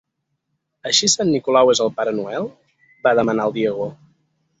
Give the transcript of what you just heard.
Així Sant Nicolau és el Pare Noel? —va demanar el Diego—